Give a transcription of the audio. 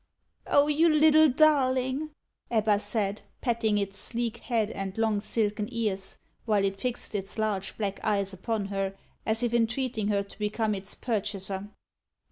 "Oh you little darling!" Ebba said, patting its sleek head and long silken ears, while it fixed its large black eyes upon her, as if entreating her to become its purchaser.